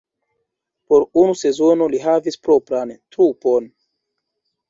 Por unu sezono li havis propran trupon.